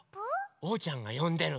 おうちゃんがよんでる。